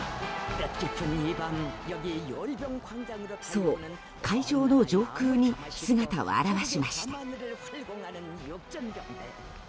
そう、会場の上空に姿を現しました。